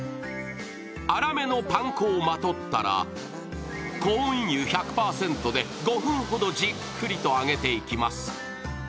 粗めのパン粉をまとったらコーン油１００％で５分ほどじっくりと揚げていきます。